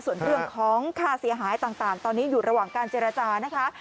ส่วนเรื่องของค่าเสียหายต่างตอนนี้อยู่ระหว่างการเจรจานะคะ